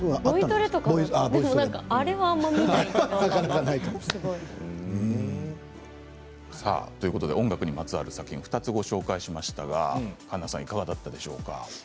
ボイトレとか音楽にまつわる作品を２つお伝えしましたが環奈さんいかがだったでしょうか。